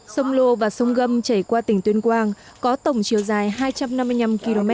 sông lô và sông gâm chảy qua tỉnh tuyên quang có tổng chiều dài hai trăm năm mươi năm km